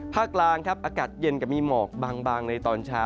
กลางครับอากาศเย็นกับมีหมอกบางในตอนเช้า